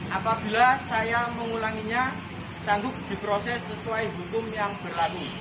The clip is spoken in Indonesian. apabila saya mengulanginya sanggup diproses sesuai hukum yang berlaku